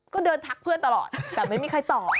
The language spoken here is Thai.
ก็เดินทักเพื่อนตลอดแต่ไม่มีใครตอบ